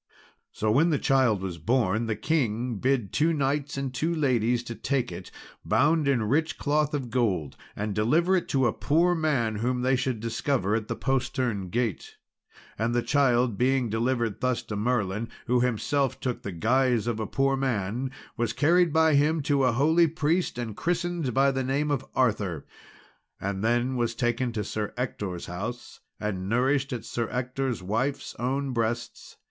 So when the child was born, the king bid two knights and two ladies to take it, bound in rich cloth of gold, and deliver it to a poor man whom they should discover at the postern gate. And the child being delivered thus to Merlin, who himself took the guise of a poor man, was carried by him to a holy priest and christened by the name of Arthur, and then was taken to Sir Ector's house, and nourished at Sir Ector's wife's own breasts.